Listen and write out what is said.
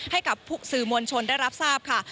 ให้กับสื่อมวลชนได้รับทราบค่ะ